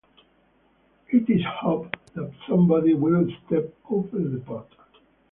It is hoped that somebody will step over the pot.